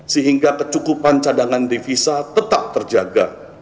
sehingga kecukupan cadangan devisa tetap terjaga